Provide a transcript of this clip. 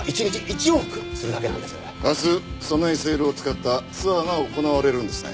明日そのＳＬを使ったツアーが行われるんですね。